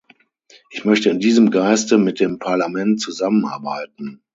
Ich möchte in diesem Geiste mit dem Parlament zusammenarbeiten.